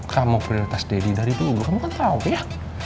kamu prioritas deddy dari dulu kamu kan tahu ya